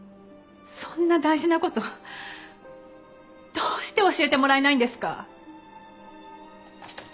そんな大事なことどうして教えてもらえないんですか？